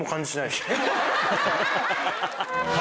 ハハハハハ！